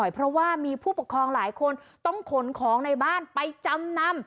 เพราะว่ามีผู้ปกครองหลายคนต้องขนของในบ้านไปจำนำ